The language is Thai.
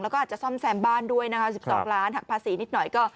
แล้วก็อาจจะซ่อมแซมบ้านด้วยนะคะ๑๒ล้านหักภาษีนิดหน่อยก็